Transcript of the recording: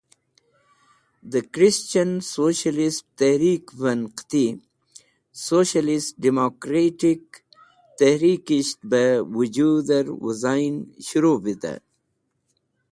De Krischen Socialist Tehrikven Qiti “Socialist Democraatic” Tehrikisht be wujuder wizain shuru Witey.